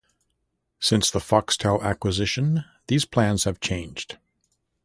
Since the Foxtel acquisition, these plans have changed.